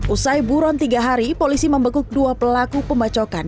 usai buron tiga hari polisi membekuk dua pelaku pembacokan